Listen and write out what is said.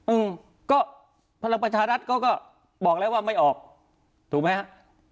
อืมก็พลังประชารัฐเขาก็บอกแล้วว่าไม่ออกถูกไหมฮะ